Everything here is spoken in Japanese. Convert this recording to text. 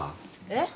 えっ？